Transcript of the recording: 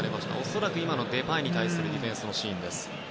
恐らく今のデパイに対するディフェンスのシーンです。